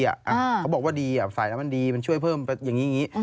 เขาบอกว่าดีฝ่ายน้ำมันดีมันช่วยเพิ่มอย่างนี้